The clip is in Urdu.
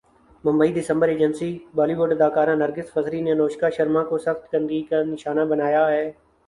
ممبئی دسمبرایجنسی بالی وڈ اداکارہ نرگس فخری نے انوشکا شرما کو سخت تنقید کا نشانہ بنایا ہے